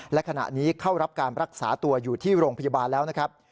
และขณะนี้เข้ารับการรักษาตัวอยู่ที่โรงพยาบาลแล้วนะครับ